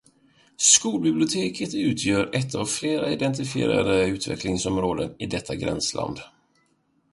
Skolbiblioteket utgör ett av flera identifierade utvecklingsområden i detta gränsland.